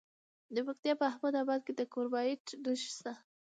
د پکتیا په احمد اباد کې د کرومایټ نښې شته.